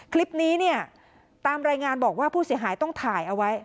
คลิปนี้เนี่ยตามรายงานบอกว่าผู้เสียหายต้องถ่ายเอาไว้